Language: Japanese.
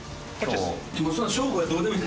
そんな勝負はどうでもいい。